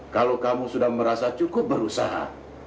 kalau kamu sudah merasa cukup berusaha